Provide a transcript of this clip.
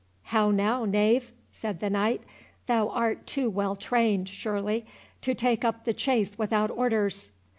"How now, knave?" said the knight; "thou art too well trained, surely, to take up the chase without orders."